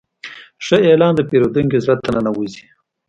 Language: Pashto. ښه اعلان د پیرودونکي زړه ته ننوځي.